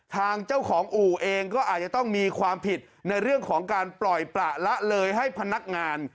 ทางเจ้าของอู่เองก็อาจจะต้องมีความผิดในเรื่องของการปล่อยประละเลยให้พนักงาน